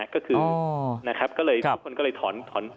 ก็คือทุกคนก็เลยถอน